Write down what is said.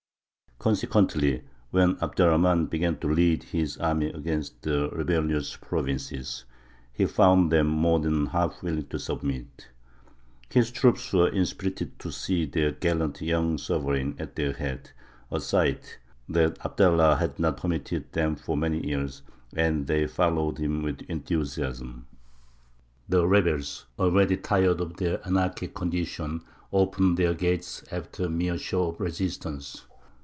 Consequently, when Abd er Rahmān began to lead his army against the rebellious provinces, he found them more than half willing to submit. His troops were inspirited to see their gallant young sovereign at their head a sight that Abdallah had not permitted them for many years and they followed him with enthusiasm. The rebels, already tired of their anarchic condition, opened their gates after a mere show of resistance.